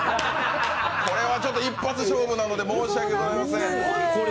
これは一発勝負なので申し訳ございません。